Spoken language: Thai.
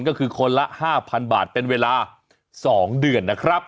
ก็คือคนละ๕๐๐๐บาทเป็นเวลา๒เดือนนะครับ